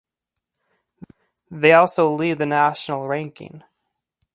They also lead the national ranking.